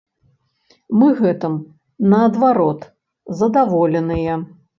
Мы гэтым, наадварот, задаволеныя.